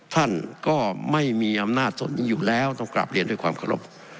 ท่านก็ไม่มีอำนาจส่วนนี้อยู่แล้วต้องกลับเรียนด้วยความเคารพ